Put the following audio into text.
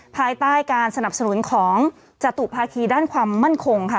ภายใต้การสนับสนุนของจตุภาคีด้านความมั่นคงค่ะ